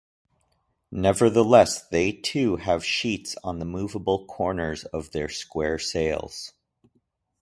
Nevertheless, they too have sheets on the movable corners of their square sails.